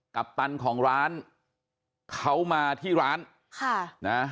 ปัปตันของร้านเขามาที่ร้านค่ะนะ